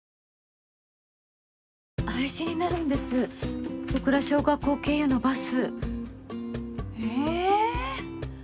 廃止になるんです戸倉小学校経由のバス。